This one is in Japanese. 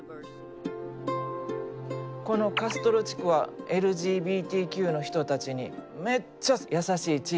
このカストロ地区はＬＧＢＴＱの人たちにめっちゃ優しい地域といわれてる。